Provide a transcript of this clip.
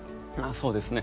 そうですね。